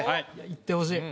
いってほしい。